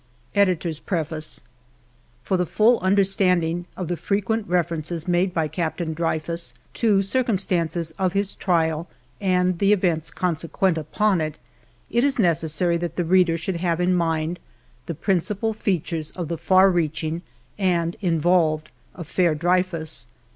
EDITOR'S PREFACE FOR the full understanding of the frequent references made by Captain Dreyfus to circumstances of his trial and the events consequent upon it, it is necessary that the reader should have in mind the principal features of the far reaching and involved "Affaire Dreyfus."